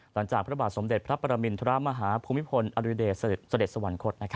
หลังจากพระบาทสมเด็จพระประมินธุระมหาภูมิพลอริเดชเสด็จสวรรคต